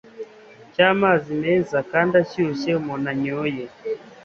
cyamazi meza kandi ashyushye umuntu anyoye